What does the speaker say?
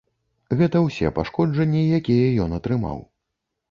Гэта ўсе пашкоджанні, якія ён атрымаў.